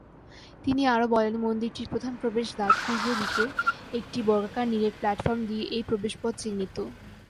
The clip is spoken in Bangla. তিনি আরও বলেন, মন্দিরটির প্রধান প্রবেশদ্বার পূর্বে দিকে একটি বর্গাকার নিরেট প্ল্যাটফর্ম দিয়ে এই প্রবেশপথ চিহ্নিত।